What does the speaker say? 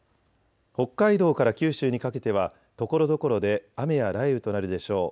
北海道から九州にかけてはところどころで雨や雷雨となるでしょう。